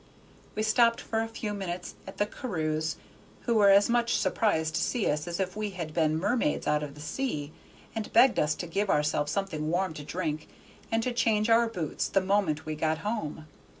We stopped for a few minutes at the Carews', who were as much surprised to see us as if we had been mermaids out of the sea, and begged us to give ourselves something warm to drink, and to change our boots the moment we got home.